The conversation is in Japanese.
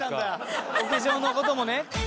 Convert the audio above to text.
お化粧の事もね。